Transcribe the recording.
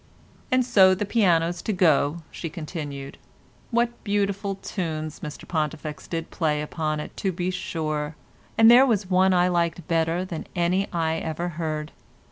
"And so the piano's to go," she continued. "What beautiful tunes Mr Pontifex did play upon it, to be sure; and there was one I liked better than any I ever heard.